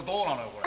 これ。